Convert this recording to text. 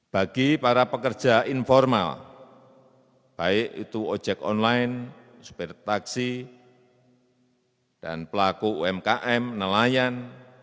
bagi para pekerja informal baik itu ojek online supir taksi dan pelaku umkm nelayan